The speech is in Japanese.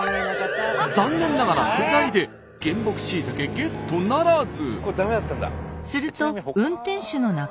残念ながら不在で原木しいたけゲットならず。